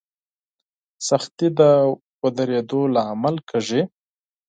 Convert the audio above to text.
سختي د ودرېدو لامل کېږي.